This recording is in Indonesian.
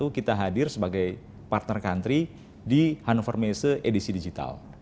kita hadir sebagai partner country di hannover messe edisi digital